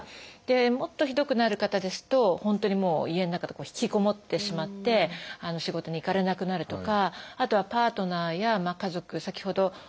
もっとひどくなる方ですと本当にもう家の中とか引きこもってしまって仕事に行かれなくなるとかあとはパートナーや家族先ほど大和田さん